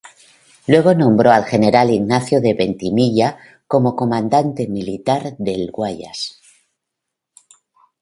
Luego nombró al general Ignacio de Veintimilla como Comandante Militar del Guayas.